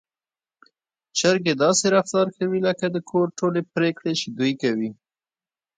چرګې داسې رفتار کوي لکه د کور ټولې پرېکړې چې دوی کوي.